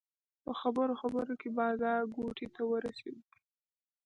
په خبرو خبرو کې بازارګوټي ته ورسېدو.